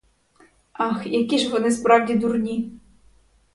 Ах, які ж вони справді дурні!